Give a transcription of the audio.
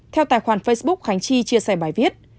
theo tài khoản facebook khánh chi chia sẻ bài viết